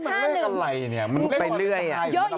มันเป็นเรื่อย